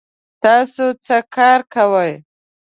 تاسو څه کار کوئ؟